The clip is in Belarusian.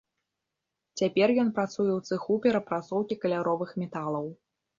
Цяпер ён працуе ў цэху перапрацоўкі каляровых металаў.